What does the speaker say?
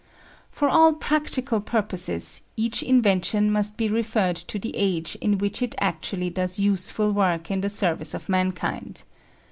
For all practical purposes each invention must be referred to the age in which it actually does useful work in the service of mankind.